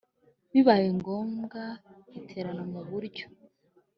Bibaye ngombwa iterana mu buryo